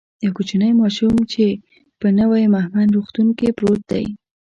یو کوچنی ماشوم چی په نوی مهمند روغتون کی پروت دی